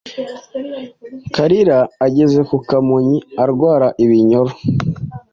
Kalira ageze ku Kamonyi, arwara ibinyoro,